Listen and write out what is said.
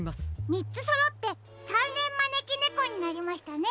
みっつそろってさんれんまねきねこになりましたね。